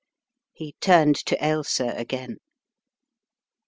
He turned to Ailsa again.